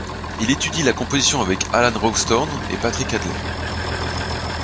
Il étudie la composition avec Alan Rawsthorne et Patrick Hadley.